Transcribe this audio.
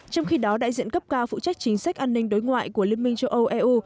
trong khi đó đại diện cấp cao phụ trách chính sách an ninh đối ngoại của liên minh châu âu eu